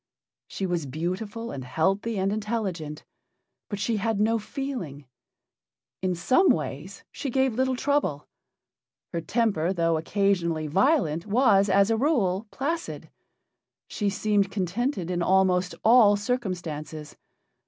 She was beautiful and healthy and intelligent, but she had no feeling. In some ways she gave little trouble. Her temper, though occasionally violent, was, as a rule, placid; she seemed contented in almost all circumstances.